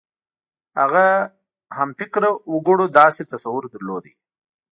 هغه همفکره وګړو داسې تصور درلود.